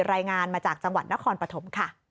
รายงานมาจากจังหวัดนครปฐมค่ะ